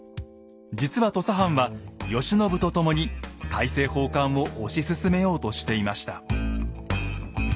実は土佐藩は慶喜と共に大政奉還を推し進めようとしていました。